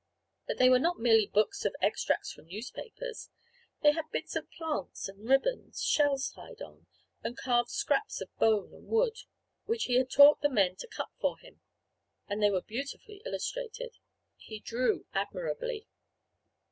But they were not merely books of extracts from newspapers. They had bits of plants and ribbons, shells tied on, and carved scraps of bone and wood, which he had taught the men to cut for him, and they were beautifully illustrated. He drew admirably.